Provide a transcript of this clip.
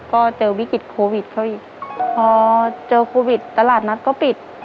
ก็เจอวิกฤตโควิดเขาอีกพอเจอโควิดตลาดนัดก็ปิด